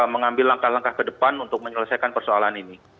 mengambil langkah langkah ke depan untuk menyelesaikan persoalan ini